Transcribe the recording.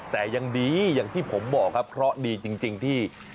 แต่ยังดีอย่างที่ผมบอกครับเพราะดีจริงที่